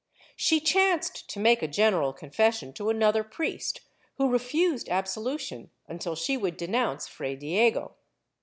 She chanced to make a general confession to another priest who refused absolution unless she would denounce Fray Diego.